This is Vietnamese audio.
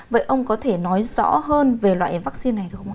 vậy ông có thể nói rõ hơn về loại vaccine